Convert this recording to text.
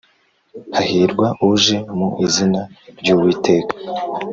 Hahirwa uje mu izina ry ‘Uwiteka .